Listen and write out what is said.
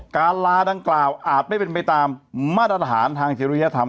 ลาดังกล่าวอาจไม่เป็นไปตามมาตรฐานทางจิริยธรรม